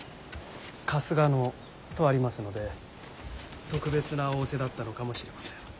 「春日野」とありますので特別な仰せだったのかもしれません。